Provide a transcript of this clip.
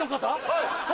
はい。